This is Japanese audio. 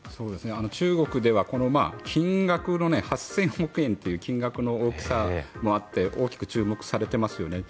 中国では８０００億円という金額の大きさもあって大きく注目されていますよね。